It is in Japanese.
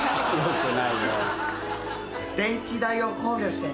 電気代を考慮して。